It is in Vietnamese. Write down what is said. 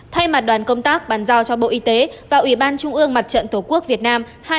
thay mặt đoàn công tác bàn giao cho bộ y tế và ủy ban trung ương mặt trận tổ quốc việt nam